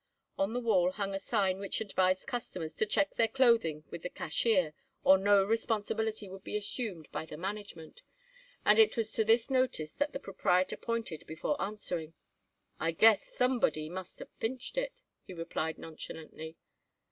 On the wall hung a sign which advised customers to check their clothing with the cashier or no responsibility would be assumed by the management, and it was to this notice that the proprietor pointed before answering. "I guess somebody must have pinched it," he replied nonchalantly.